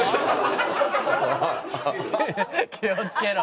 気を付けろ。